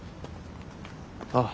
ああ。